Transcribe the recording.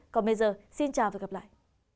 còn bây giờ xin chào và gặp lại